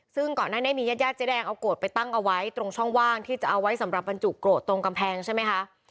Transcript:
ซึ่งก่อนหน้านี้มีญาติญาติเจ๊แดงเอาโกรธไปตั้งเอาไว้ตรงช่องว่างที่จะเอาไว้สำหรับบรรจุโกรธตรงกำแพงใช่ไหมคะ